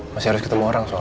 masih harus ketemu orang soal